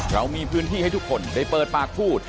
เรามีพื้นที่ให้ทุกคนได้เปิดปากพูด